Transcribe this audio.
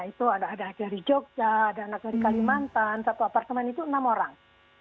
itu ada dari jogja ada anak dari kalimantan satu apartemen itu enam orang